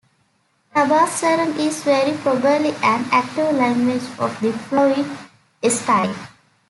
Tabasaran is very probably an active language of the fluid-S type.